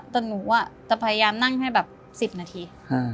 แต่หนูจะพยายามนั่งให้แบบ๑๐นาที